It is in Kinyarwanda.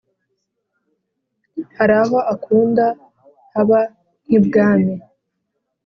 haraho akunda haba nk’ibwami